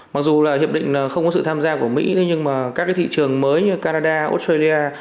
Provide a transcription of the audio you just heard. mặc dù hiệp định không có sự tham gia của mỹ nhưng các thị trường mới như canada australia